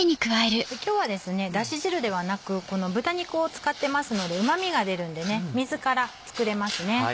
今日はだし汁ではなくこの豚肉を使ってますのでうま味が出るので水から作れますね。